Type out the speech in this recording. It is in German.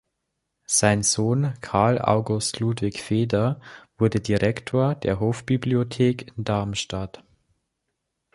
Sein Sohn Karl August Ludwig Feder wurde Direktor der Hofbibliothek in Darmstadt.